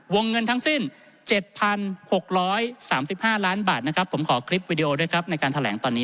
วงเงินทั้งสิ้น๗๖๓๕ล้านบาทนะครับผมขอคลิปวิดีโอด้วยครับในการแถลงตอนนี้